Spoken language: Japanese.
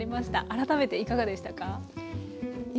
改めていかがでしたか。